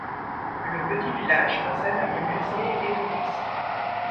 Le petit village possède un menuisier ébéniste.